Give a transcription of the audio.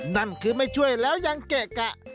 นั่นคือไม่ช่วยแล้วยังเกะกะ